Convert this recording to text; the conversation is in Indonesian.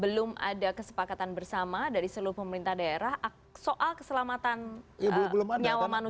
belum ada kesepakatan bersama dari seluruh pemerintah daerah soal keselamatan nyawa manusia